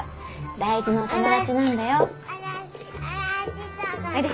大事なお友達なんだよ。おいで。